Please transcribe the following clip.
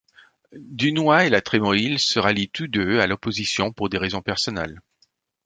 Dunois et La Trémoïlle se rallient tous deux à l’opposition pour des raisons personnelles.